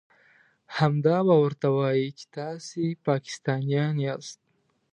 همدا به ورته وايئ چې تاسې پاکستانيان ياست.